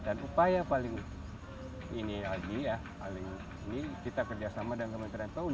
dan upaya paling ini lagi ya paling ini kita kerjasama dengan kementerian pu